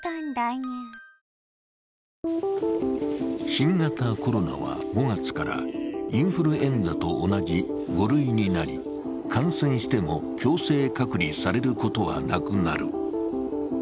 新型コロナは５月からインフルエンザと同じ５類になり、感染しても強制隔離されることはなくなる。